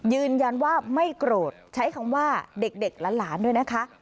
ยืนยันว่าไม่โกรธใช้คำว่าเด็กหลานด้วยนะคะ